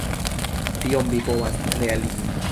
Tion vi povas realigi.